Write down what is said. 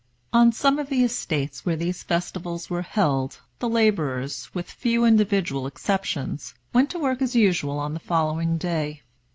On some of the estates where these festivals were held the laborers, with few individual exceptions, went to work as usual on the following day.